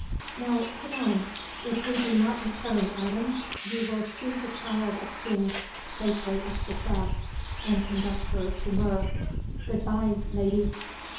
Now, come on. If we do not return, Adams, you will see the Child of Kings safely up the shafts and conduct her to Mur. Good bye, Lady."